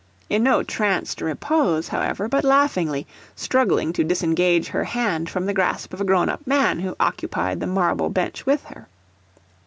In no tranced repose, however, but laughingly, struggling to disengage her hand from the grasp of a grown up man who occupied the marble bench with her.